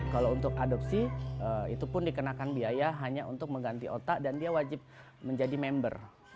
kalau untuk adopsi itu pun dikenakan biaya hanya untuk mengganti otak dan dia wajib menjadi member